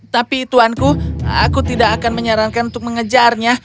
tapi tuanku aku tidak akan menyarankan untuk mengejarnya